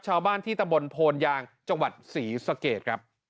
ชาวบ้านที่ตะบนโพนยางจังหวัดศรีสะเกดครับ